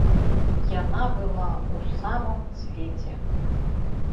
Яна была ў самым цвеце.